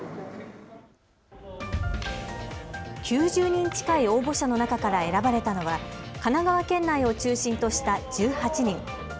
９０人近い応募者の中から選ばれたのは神奈川県内を中心とした１８人。